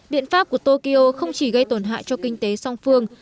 biện pháp của tokyo không chỉ gây tổn hại cho kinh tế song phương